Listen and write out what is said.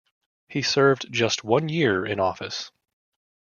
He served just one year in office.